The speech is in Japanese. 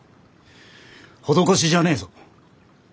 施しじゃねえぞ。